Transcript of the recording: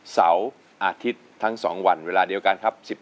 เสาร์อาทิตย์ทั้ง๒วันเวลาเดียวกันครับ